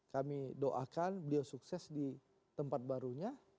kami doakan beliau sukses di tempat barunya